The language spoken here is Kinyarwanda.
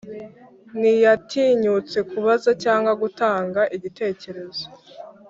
ntiyatinyutse kubaza cyangwa gutanga igitekerezo,